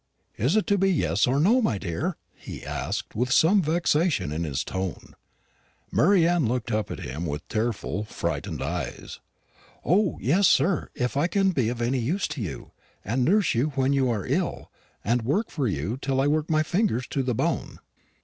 "Is it to be yes, or no, my dear?" he asked, with, some vexation in his tone. Mary Anne looked up at him with tearful, frightened eyes. "O, yes, sir, if I can be of any use to you, and nurse you when you are ill, and work for you till I work my fingers to the bone."